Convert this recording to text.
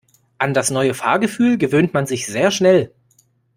An das neue Fahrgefühl gewöhnt man sich sehr schnell.